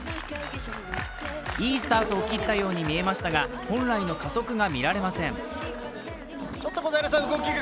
いいスタートを切ったように見えましたが本来の加速が見えません。